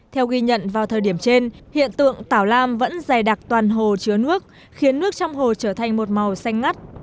theo ghi nhận vào thời điểm trên hiện tượng tảo lam vẫn dày đặc toàn hồ chứa nước khiến nước trong hồ trở thành một màu xanh ngắt